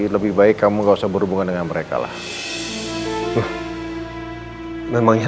terutama personel anda yang bernama daniel